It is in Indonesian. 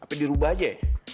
apa dirubah aja ya